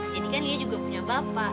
jadi kan lia juga punya bapak